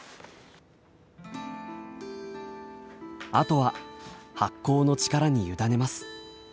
あとは発酵の力に委ねます。